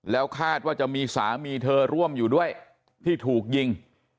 แล้วคาดว่าจะมีสามีเธอร่วมอยู่ด้วยที่ถูกยิง